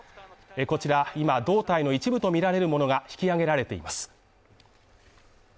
こちら今は胴体の一部とみられるものが引き揚げられています。